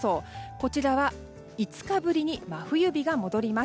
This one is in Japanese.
こちらは５日ぶりに真冬日が戻ります。